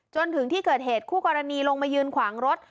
จนถึงที่เกิดเหตุคู่กรณีลงมายืนขวางรถ